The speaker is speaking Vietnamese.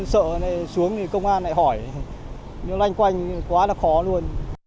sợ xuống thì công an lại hỏi những loanh quanh quá là khó luôn